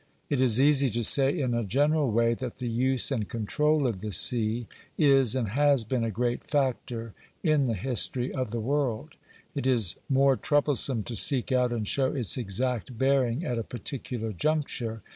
It is easy to say in a general way, that the use and control of the sea is and has been a great factor in the history of the world; it is more troublesome to seek out and show its exact bearing at a particular juncture.